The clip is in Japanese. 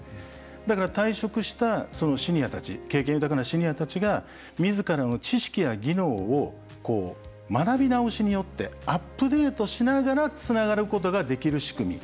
だから退職したそのシニアたち経験豊かなシニアたちがみずからの知識や技能を学び直しによってアップデートしながらつながることができる仕組み